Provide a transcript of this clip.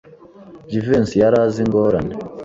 Jivency yari azi ingorane.